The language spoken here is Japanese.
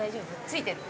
ついてる？